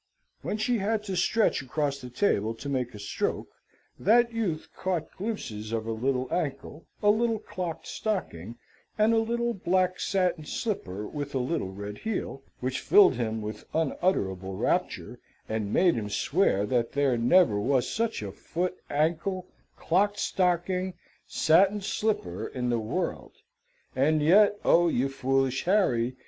When she had to stretch across the table to make a stroke, that youth caught glimpses of a little ankle, a little clocked stocking, and a little black satin slipper with a little red heel, which filled him with unutterable rapture, and made him swear that there never was such a foot, ankle, clocked stocking, satin slipper in the world. And yet, oh, you foolish Harry!